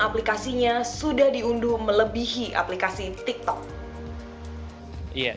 aplikasinya sudah diunduh melebihi aplikasi tiktok